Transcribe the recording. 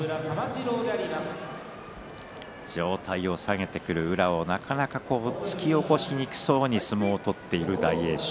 上体を下げてくる宇良をなかなか突き起こしにくそうに相撲に相撲を取っている大栄翔。